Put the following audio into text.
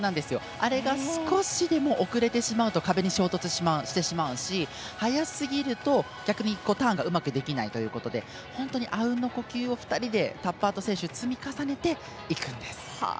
あれが少しでも遅れてしまうと壁に衝突してしまうし早すぎると逆にターンがうまくできないということで本当にあうんの呼吸を２人で、タッパーと選手積み重ねていくんです。